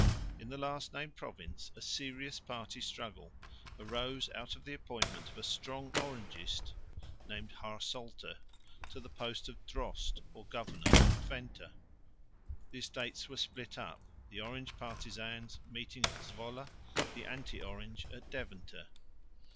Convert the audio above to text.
In the last named province a serious party struggle arose out of the appointment of a strong Orangist, named Haersolte, to the post of Drost or governor of Twente. The Estates were split up, the Orange partisans meeting at Zwolle, the anti Orange at Deventer.